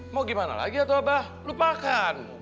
mau gimana lagi atau abah lupakan